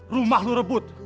rumah lu rebut